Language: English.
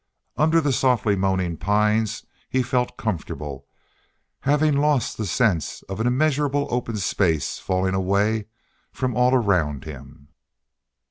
Under the softly moaning pines he felt comfortable, having lost the sense of an immeasurable open space falling away from all around him.